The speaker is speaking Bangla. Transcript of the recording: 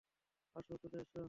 আসো, চলো, চলো।